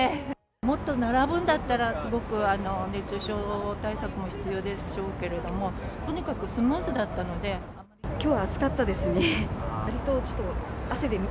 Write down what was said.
もっと並ぶんだったら、すごく熱中症対策も必要でしょうけれども、とにかくスムーズだっきょうは暑かったですね。